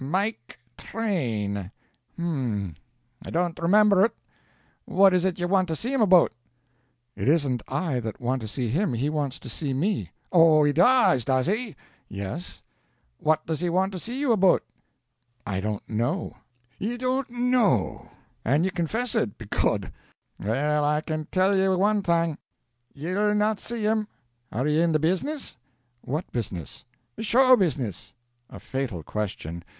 Mike Train. H'm. I don't remember ut. What is it ye want to see him about?" "It isn't I that want to see him, he wants to see me." "Oh, he does, does he?" "Yes." "What does he want to see ye about?" "I don't know." "Ye don't know! And ye confess it, becod! Well, I can tell ye wan thing ye'll not see him. Are ye in the business?" "What business?" "The show business." A fatal question.